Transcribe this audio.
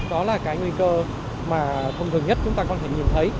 đó là cái nguy cơ mà thông thường nhất chúng ta có thể nhìn thấy